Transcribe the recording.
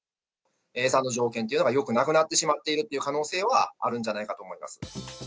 餌の条件というのがよくなくなってしまっているっていう可能性はあるんじゃないかと思います。